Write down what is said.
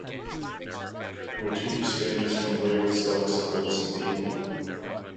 Motifs ranges from whales, elks, boats and people.